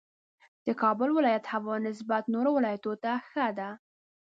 د کابل ولایت هوا نسبت نورو ولایتونو ته ښه ده